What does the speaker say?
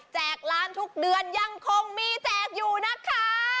ร้านทุกเดือนยังคงมีแจกอยู่นะคะ